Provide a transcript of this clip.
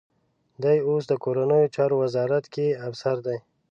دی اوس د کورنیو چارو وزارت کې افسر دی.